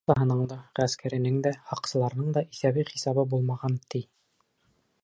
Аҡсаһының да, ғәскәренең дә, һаҡсыларының да иҫәбе-хисабы булмаған, ти.